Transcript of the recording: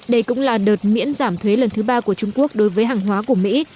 đây cũng là đợt miễn giảm thuế lần thứ ba của trung quốc đối với hàng hóa của mỹ